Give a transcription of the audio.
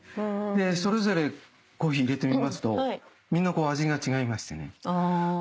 それぞれコーヒー入れてみますとみんな味が違いましてね。